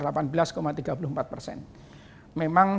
memang dalam konteks